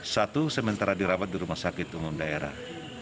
satu sementara dirawat di rumah sakit umum daerah